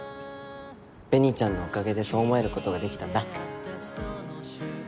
紅ちゃんのおかげでそう思えることができたんだ。